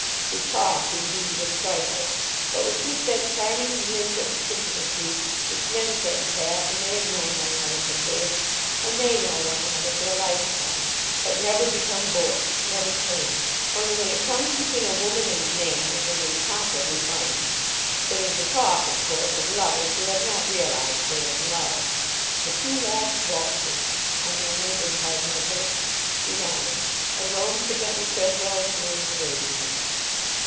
We talked, indeed, of trifles, but with just that charming hint of intimacy which men friends have who may have known one another from birth, and may know one another for a lifetime, but never become bores, never change. Only when it comes between a woman and a man, it is incomparably finer. It is the talk, of course, of lovers who have not realised they are in love. "The two last waltzes," I murmured, when parting with her. She nodded. I roamed the Gunton Cresswells's rooms awaiting them.